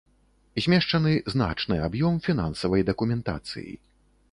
Змешчаны значны аб'ём фінансавай дакументацыі.